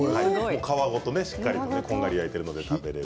皮ごとしっかりこんがり焼いていますので。